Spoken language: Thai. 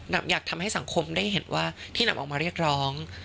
อยากทำให้สังคมได้เห็นว่าที่นำออกมาเรียกร้อง